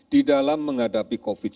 di dalam menghadapi covid sembilan belas